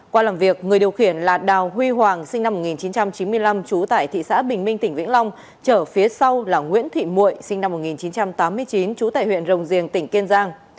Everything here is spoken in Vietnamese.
qua làm việc người điều khiển là đào huy hoàng sinh năm một nghìn chín trăm chín mươi năm trú tại thị xã bình minh tỉnh vĩnh long chở phía sau là nguyễn thị mụi sinh năm một nghìn chín trăm tám mươi chín trú tại huyện rồng riềng tỉnh kiên giang